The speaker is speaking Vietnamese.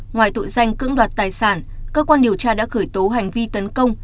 ngoài tội danh cưỡng đoạt tài sản cơ quan điều tra đã khởi tố hành vi tấn công